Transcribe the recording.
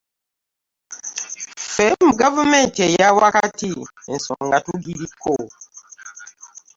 Ffe mu gavumenti eya wakati ensonga tugitiko.